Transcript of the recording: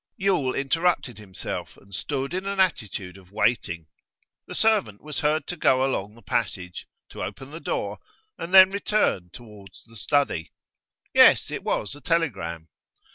Yule interrupted himself, and stood in an attitude of waiting. The servant was heard to go along the passage, to open the door, and then return towards the study. Yes, it was a telegram.